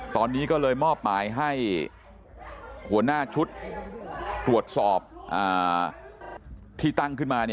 ตอนนี้ก็เลยมอบหมายให้หัวหน้าชุดตรวจสอบที่ตั้งขึ้นมา